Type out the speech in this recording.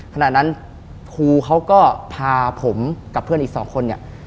ขณะนั้นครูก็พาผมกับเพื่อนอีก๒คนนี่